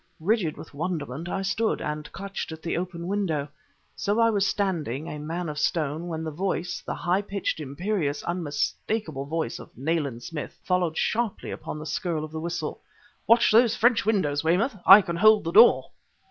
Rigid with wonderment I stood, and clutched at the open window. So I was standing, a man of stone, when the voice, the high pitched, imperious, unmistakable voice of Nayland Smith, followed sharply upon the skirl of the whistle: "Watch those French windows, Weymouth! I can hold the door!"